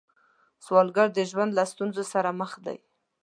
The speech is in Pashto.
سوالګر د ژوند له ستونزو سره مخ دی